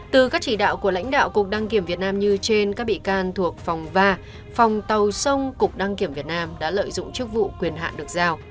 từ các chỉ đạo của lãnh đạo cục đăng kiểm việt nam như trên các bị can thuộc phòng ba phòng tàu sông cục đăng kiểm việt nam đã lợi dụng chức vụ quyền hạn được giao